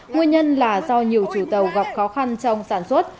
nguyên nhân là do nhiều chủ tàu gặp khó khăn trong sản xuất